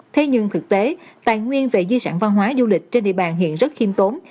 thế nhưng thực tế tài nguyên về di sản văn hóa du lịch trên địa bàn hiện rất khiêm tốn